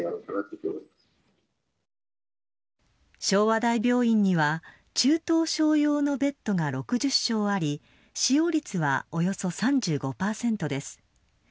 昭和大病院には中等症用のベッドが６０床あり使用率はおよそ３５％です。